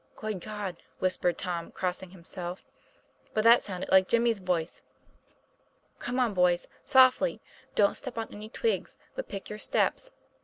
'Good God!" whispered Tom, crossing himself, 'but that sounded like Jimmy's voice. Come on, 230 TOM PLA YFAIR. boys softly. Don't step on any twigs, but pick your steps.